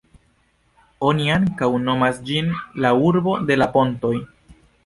Oni ankaŭ nomas ĝin "La urbo de la pontoj".